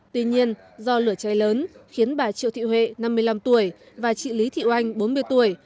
tuy nhiên do lửa cháy lớn khiến bà triệu thị huệ năm mươi năm tuổi và chị lý thị oanh bốn mươi tuổi